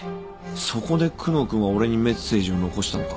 そこで久能君は俺にメッセージを残したのか。